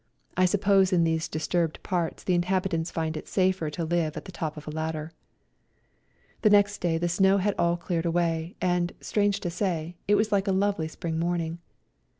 I suppose in these disturbed parts the inhabitants find it safer to live at the top of a ladder. The next day the snow had all cleared 108 GOOD BYE TO SERBIA away, and, strange to say, it was like a lovely spring morning.